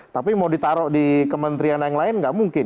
tapi mau ditaruh di kementerian yang lain nggak mungkin